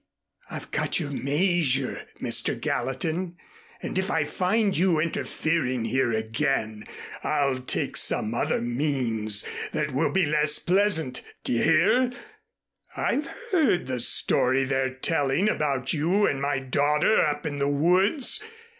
I've got your measure, Mr. Gallatin, and if I find you interfering here again, I'll take some other means that will be less pleasant. D'ye hear? I've heard the story they're telling about you and my daughter up in the woods.